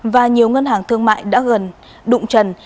và nhiều ngân hàng thương mại đã gần đụng trần